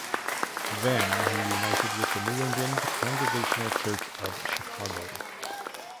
Then he united with the New England Congregational Church of Chicago.